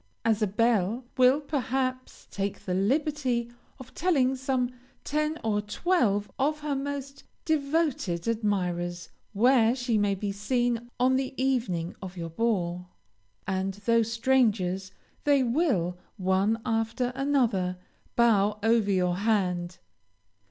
as a belle, will, perhaps, take the liberty of telling some ten or twelve of her most devoted admirers where she may be seen on the evening of your ball, and, though strangers, they will, one after another, bow over your hand.